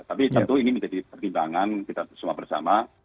tapi tentu ini menjadi pertimbangan kita semua bersama